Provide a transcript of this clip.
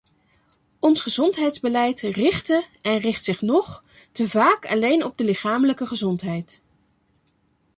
Ons gezondheidsbeleid richtte en richt zich nog te vaak alleen op de lichamelijke gezondheid.